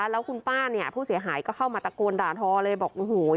แล้วคุณป้าผู้เสียหายก็เข้ามาตะโกนด่าทอเลย